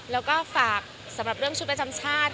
แล้วก็ฝากสำหรับเรื่องชุดประจำชาติ